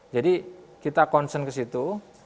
jadi kita concern ke situ